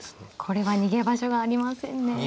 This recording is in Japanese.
これは逃げ場所がありませんね。